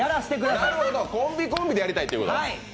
なるほど、コンビ・コンビでやりたいってこと？